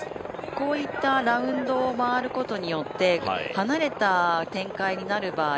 こういったラウンドを回ることによって離れた展開になる場合